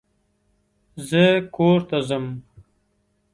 زه کور ته ځم.